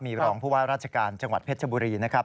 มีรองผู้ว่าราชการจังหวัดเพชรบุรีนะครับ